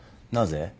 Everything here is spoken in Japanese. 「なぜ？」